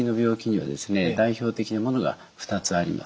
代表的なものが２つあります。